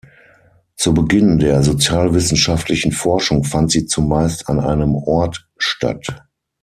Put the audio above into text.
Zu Beginn der sozialwissenschaftlichen Forschung fand sie zumeist an einem Ort statt.